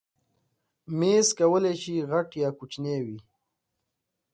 مېز کولی شي غټ یا کوچنی وي.